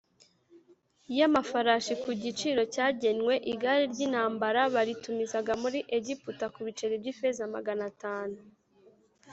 y amafarashi ku giciro cyagenwe Igare ry intambara baritumizaga muri Egiputa ku biceri by ifeza Magana atanu